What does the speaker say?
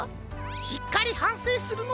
しっかりはんせいするのじゃぞ。